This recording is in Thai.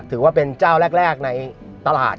ถือว่าเป็นเจ้าแรกในตลาด